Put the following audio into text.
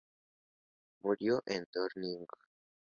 Murió en Downing.